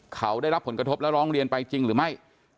เขาได้รับผลกระทบและร้องเรียนไปจริงหรือไม่